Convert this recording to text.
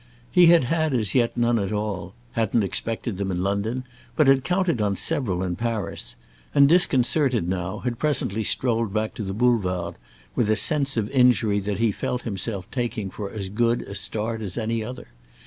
He had had as yet none at all; hadn't expected them in London, but had counted on several in Paris, and, disconcerted now, had presently strolled back to the Boulevard with a sense of injury that he felt himself taking for as good a start as any other.